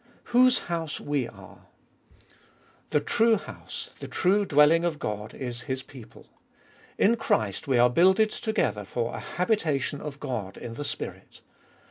Whose house we are. The true house, the true dwelling of Gqd, is His people. In Christ we are builded together for a habitation of God in the Spirit.